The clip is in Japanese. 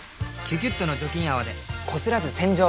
「キュキュット」の除菌泡でこすらず洗浄！